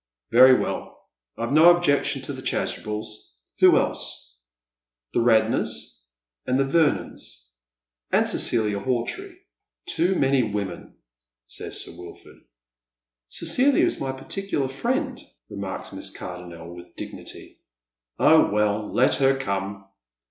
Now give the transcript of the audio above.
"Very well ; I've no objection to the Chasubels. Who else?" " The Radnors, and the Vernons, and Cecilia Hawtree." " Too many women," says Sir Wilford. " Cecilia is my paiticular friend," remarks Miss Cardonnel, with dignity. " Oh, well, let her come."